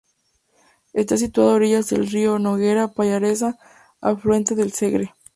Está situada a orillas del río Noguera Pallaresa, afluente del Segre.